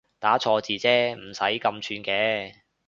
打錯字啫唔使咁串嘅